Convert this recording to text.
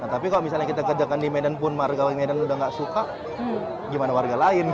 tapi kalau misalnya kita kerjakan di medan pun warga medan udah nggak suka gimana warga lain